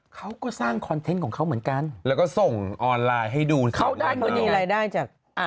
เขาก็สร้างคอนเทนต์ของเขาเหมือนกันแล้วก็ส่งออนไลน์ให้ดูสิเขาได้เขามีรายได้จากอ่า